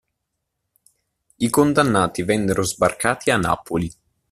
I condannati vennero sbarcati a Napoli.